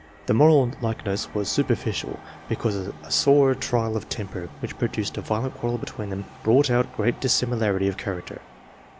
The moral likeness was superficial, because a sore trial of temper, which produced a violent quarrel between them, brought out great dissimilarity of character.